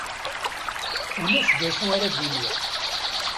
Ulac d acu ara d-iniɣ.